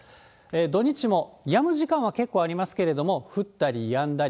土日もやむ時間は結構ありますけれども、降ったりやんだり。